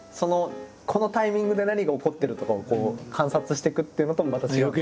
このタイミングで何が起こってるとかを観察していくっていうのともまた違う？